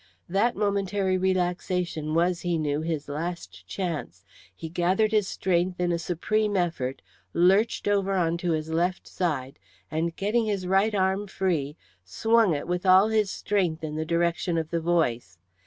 That momentary relaxation was, he knew, his last chance. He gathered his strength in a supreme effort, lurched over onto his left side, and getting his right arm free swung it with all his strength in the direction of the voice.